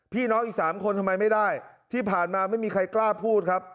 พี่น้องอีกสามคนทำไมไม่ได้ที่ผ่านมาไม่มีใครกล้าพูดครับ